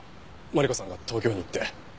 マリコさんが東京に行って。